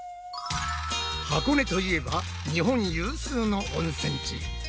箱根といえば日本有数の温泉地。